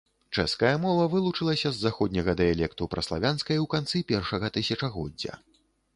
Чэшская мова вылучылася з заходняга дыялекту праславянскай у канцы першага тысячагоддзя.